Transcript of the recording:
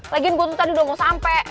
lagian gue tuh tadi udah mau sampe